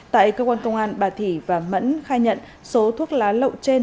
tại cơ quan công an bà thị và mẫn khai nhận số thuốc lá lậu trên